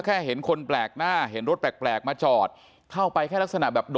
แค่เห็นคนแปลกหน้าเห็นรถแปลกมาจอดเข้าไปแค่ลักษณะแบบ